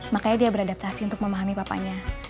makanya dia beradaptasi untuk memahami papanya